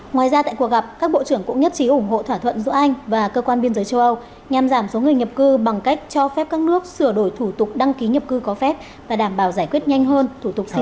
ngoài ra tại cuộc gặp các bộ trưởng cũng nhất trí ủng hộ thỏa thuận giữa anh và cơ quan biên giới châu âu nhằm giảm số người nhập cư bằng cách cho phép các nước sửa đổi thủ tục đăng ký nhập cư có phép và đảm bảo giải quyết nhanh hơn thủ tục hành chính